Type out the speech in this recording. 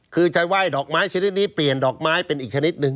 คือจะไหว้ดอกไม้ชนิดนี้เปลี่ยนดอกไม้เป็นอีกชนิดหนึ่ง